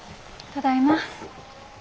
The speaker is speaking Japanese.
ただいま。